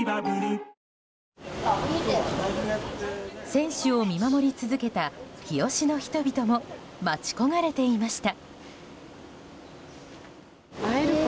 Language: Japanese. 選手を見守り続けた日吉の人々も待ち焦がれていました。